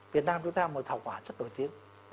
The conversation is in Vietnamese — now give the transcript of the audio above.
việt nam chúng ta một thảo quả rất nổi tiếng